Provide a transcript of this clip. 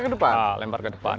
dilempar ke depan